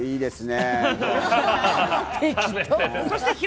いいですね。